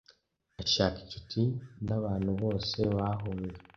Ashaka inshuti nabantu bose bahuye.